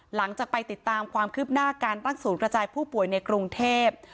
หลังจากไปติดตามความคืบหน้าการตั้งศูนย์กระจายผู้ป่วยในกรุงเทพ